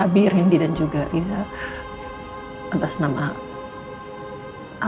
abi rindy dan juga riza atas nama